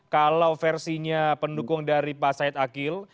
kalau versinya pendukung dari pak said akil